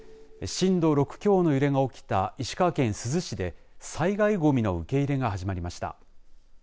震度６強の揺れが起きた石川県珠洲市で災害ごみの受け入れが始まりました。